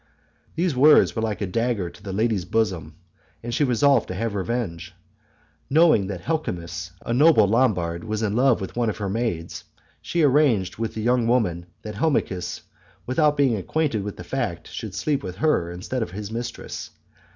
These words were like a dagger to the lady's bosom and she resolved to have revenge. Knowing that Helmichis, a noble Lombard, was in love with one of her maids, she arranged with the young woman, that Helmichis, without being acquainted with the fact, should sleep with her instead of his mistress.